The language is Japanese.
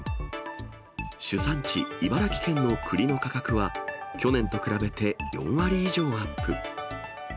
主産地、茨城県のくりの価格は去年と比べて４割以上アップ。